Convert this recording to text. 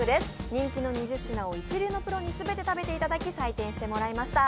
人気の２０品を一流のプロに全て食べていただき採点してもらいました。